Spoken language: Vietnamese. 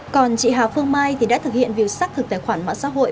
còn chị hà phương mai thì đã thực hiện việc xác thực tài khoản mạng xã hội